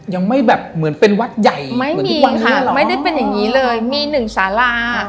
ยังไม่แบบเหมือนเป็นวัดใหญ่ไม่มีค่ะไม่ได้เป็นอย่างงี้เลยมีหนึ่งสารา